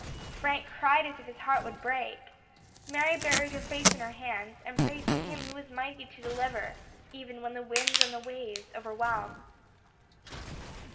Frank cried as if his heart would break. Mary buried her face in her hands, and prayed to Him who is mighty to deliver, even when the winds and the waves overwhelm.